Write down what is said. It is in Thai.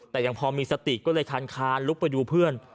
แต่ยังพอมีสติก็เลยคานลุกไปดูเพื่อน